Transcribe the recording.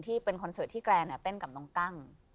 ที่เป็นคอนเสิร์ตที่แกนเต้นกับน้องกั้ง